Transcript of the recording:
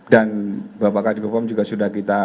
dan bapak kadipupom juga sudah kita